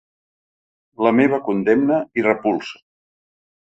La meva condemna i repulsa.